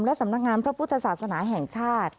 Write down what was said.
และสำนักงานพระพุทธศาสนาแห่งชาติ